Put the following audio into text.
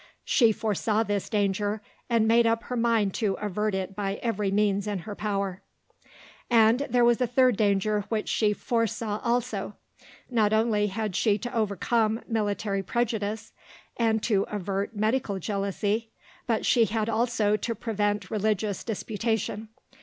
She foresaw this danger, and made up her mind to avert it by every means in her power. Pincoffs, p. 79. And there was a third danger which she foresaw also. Not only had she to overcome military prejudice and to avert medical jealousy, but she had also to prevent religious disputation.